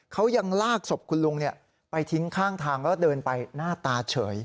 เขายังลากศพคุณลุงไปทิ้งข้างทางแล้วเดินไปหน้าตาเฉย